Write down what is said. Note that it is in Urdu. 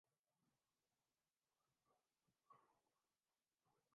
مجھے کس ذریعہ یا سفارش کی ضرورت ہے